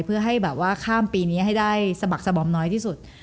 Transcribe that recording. เพื่อให้แบบว่าข้ามปีนี้ให้ได้สะบักสะบอมน้อยที่สุด